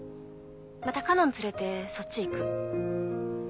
また花音連れてそっち行く。